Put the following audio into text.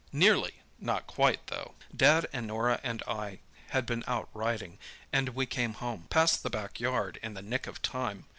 "Nearly—not quite, though. Dad and Norah and I had been out riding, and we came home, past the back yard, in the nick of time.